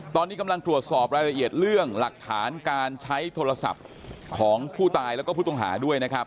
ตอนนี้กำลังตรวจสอบรายละเอียดเรื่องหลักฐานการใช้โทรศัพท์ของผู้ตายแล้วก็ผู้ต้องหาด้วยนะครับ